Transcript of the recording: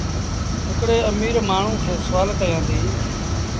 هڪڙي اميٚر مآڻهوٚٚݩ کي سوآل ڪيآݩديٚ